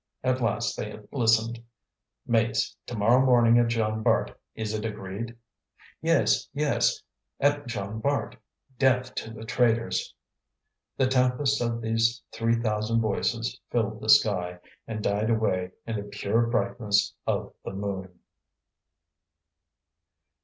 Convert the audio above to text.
At last they listened. "Mates! to morrow morning at Jean Bart, is it agreed?" "Yes! yes! at Jean Bart! death to the traitors!" The tempest of these three thousand voices filled the sky, and died away in the pure brightness of the moon.